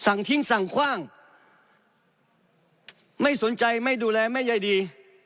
สั่งทิ้งสั่งกว้างไม่สนใจไม่ดูแลไม่ใยดี